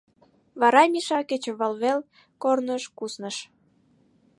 Вара Миша кечывалвел корныш кусныш.